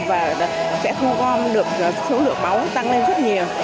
và sẽ thu gom được số lượng máu tăng lên rất nhiều